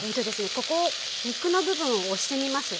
ここを肉の部分を押してみます。